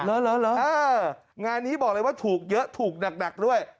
งานนี้บอกเลยว่าถูกเยอะถูกหนักด้วย